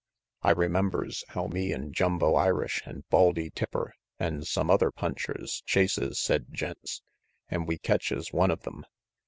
I remembers how me and Jumbo Irish and Baldy Tipper and some other punchers chases said gents, an' we catches one of them.